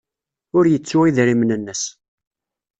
Ur yettu idrimen-nnes.